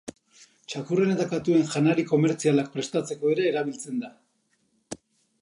Txakurren eta katuen janari komertzialak prestatzeko ere erabiltzen da.